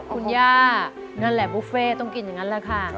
คุณย่านั่นแหละบุฟเฟ่ต้องกินอย่างนั้นแหละค่ะ